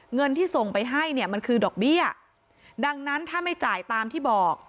เงินที่ส่งไปให้เนี่ยมันคือดอกเบี้ยดังนั้นถ้าไม่จ่ายตามที่บอก